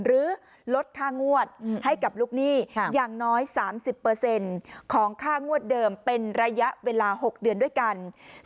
ลดค่างวดให้กับลูกหนี้อย่างน้อย๓๐ของค่างวดเดิมเป็นระยะเวลา๖เดือนด้วยกัน